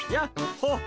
ほっ！